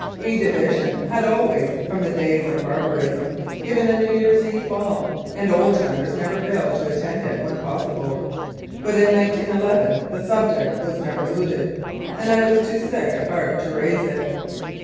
E Division had always, from the days of barbarism, given a New Year's Eve ball, and old timers never failed to attend it when possible, but in 1911 the subject was never mooted, and I was too sick at heart to raise it.